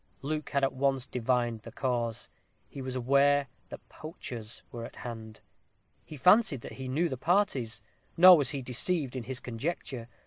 Luke had at once divined the cause; he was aware that poachers were at hand. He fancied that he knew the parties; nor was he deceived in his conjecture.